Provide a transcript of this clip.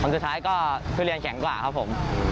สุดท้ายก็คือเรียนแข็งกว่าครับผม